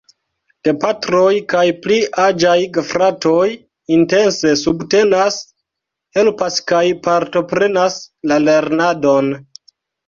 Gepatroj kaj pli aĝaj gefratoj intense subtenas, helpas kaj partoprenas la lernadon.